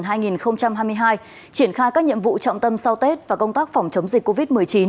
triển khai các nhiệm vụ trọng tâm sau tết và công tác phòng chống dịch covid một mươi chín